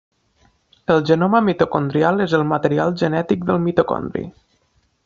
El genoma mitocondrial és el material genètic del mitocondri.